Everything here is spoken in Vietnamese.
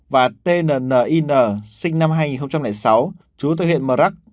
và tnnin sinh năm hai nghìn sáu chú tại huyện mờ rắc